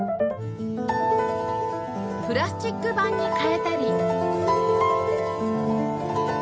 プラスチック板に変えたり